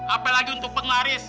apalagi untuk penglaris